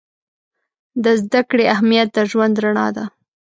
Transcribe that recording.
د زده کړې اهمیت د ژوند رڼا ده.